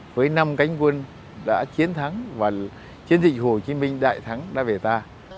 với năm cánh quân đã chiến thắng và chiến dịch hồ chí minh đại thắng đã về ta